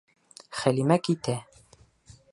Хәлимә китә.